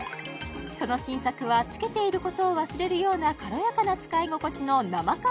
その新作はつけていることを忘れるような軽やかな使い心地の生感